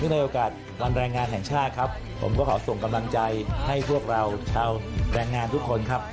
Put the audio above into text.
ในโอกาสวันแรงงานแห่งชาติครับผมก็ขอส่งกำลังใจให้พวกเราชาวแรงงานทุกคนครับ